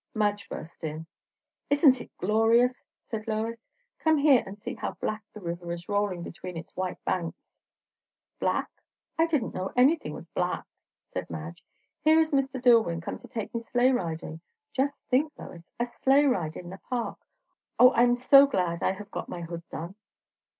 Madge burst in. "Isn't it glorious?" said Lois. "Come here and see how black the river is rolling between its white banks." "Black? I didn't know anything was black," said Madge. "Here is Mr. Dillwyn, come to take me sleigh riding. Just think, Lois! a sleigh ride in the Park! O, I'm so glad I have got my hood done!"